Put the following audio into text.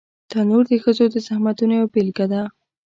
تنور د ښځو د زحمتونو یوه بېلګه ده